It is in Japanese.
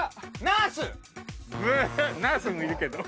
ナースもいるけど。